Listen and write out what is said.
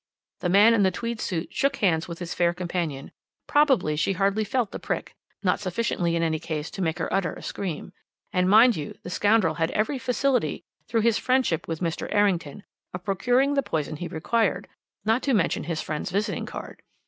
The man in the tweed suit shook hands with his fair companion probably she hardly felt the prick, not sufficiently in any case to make her utter a scream. And, mind you, the scoundrel had every facility, through his friendship with Mr. Errington, of procuring what poison he required, not to mention his friend's visiting card.